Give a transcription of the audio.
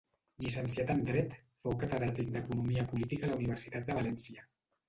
Llicenciat en dret, fou catedràtic d'economia política a la Universitat de València.